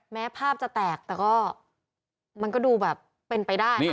แม้ภาพจะแตกแต่ก็มันก็ดูแบบเป็นไปได้ค่ะ